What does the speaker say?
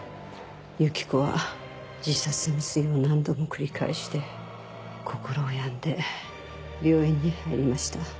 由紀子は自殺未遂を何度も繰り返して心を病んで病院に入りました。